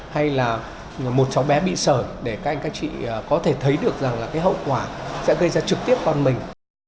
hay là một cháu bé bị sở để các anh các chị có thể thấy được rằng là cái hậu quả sẽ gây ra trực tiếp con mình